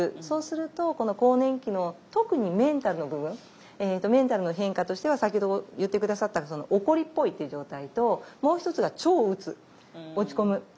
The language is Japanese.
そうすると更年期の特にメンタルの部分メンタルの変化としては先ほど言って下さった怒りっぽいっていう状態ともう一つが超うつ落ち込む。